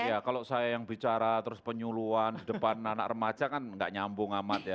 iya kalau saya yang bicara terus penyuluan di depan anak remaja kan nggak nyambung amat ya